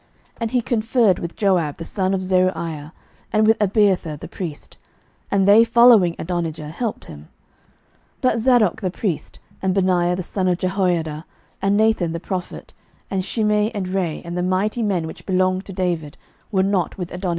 11:001:007 And he conferred with Joab the son of Zeruiah, and with Abiathar the priest: and they following Adonijah helped him. 11:001:008 But Zadok the priest, and Benaiah the son of Jehoiada, and Nathan the prophet, and Shimei, and Rei, and the mighty men which belonged to David, were not with Adonijah.